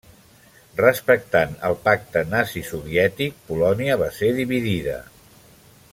Respectant el pacte nazi-soviètic, Polònia va ser dividida.